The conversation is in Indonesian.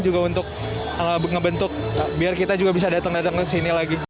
juga untuk ngebentuk biar kita juga bisa datang datang ke sini lagi